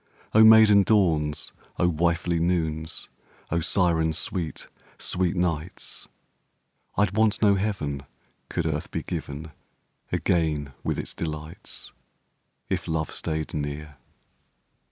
O maiden dawns, O wifely noons, O siren sweet, sweet nights, I'd want no heaven could earth be given Again with its delights (If love stayed near).